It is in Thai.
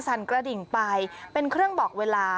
สั่นกระดิ่งไปเป็นเครื่องบอกเวลา